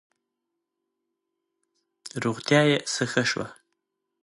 روغتیا یې څه ښه شوه.